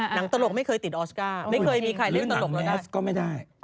หนังตลกไม่เคยติดออสการ์ไม่เคยมีใครลืมตลกเราได้